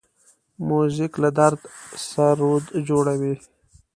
موزیک له درده سرود جوړوي.